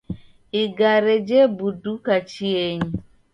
Igari jewuduka chienyi